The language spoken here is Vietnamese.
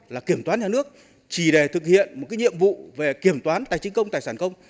là kiểm toán nhà nước chỉ để thực hiện một cái nhiệm vụ về kiểm toán tài chính công tài sản công